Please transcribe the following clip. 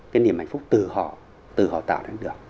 cái niềm hạnh phúc từ họ từ họ tạo đến được